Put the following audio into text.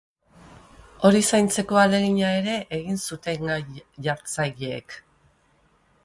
Hori zaintzeko ahalegina ere egin zuten gai jartzaileek.